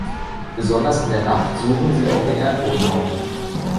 Besonders in der Nacht suchen sie auch den Erdboden auf.